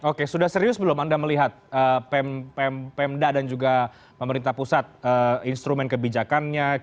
oke sudah serius belum anda melihat pemda dan juga pemerintah pusat instrumen kebijakannya